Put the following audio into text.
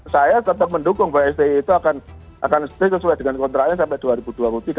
saya tetap mendukung bahwa sti itu akan sesuai dengan kontraknya sampai dua ribu dua puluh tiga